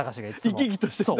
生き生きとしてるんだ。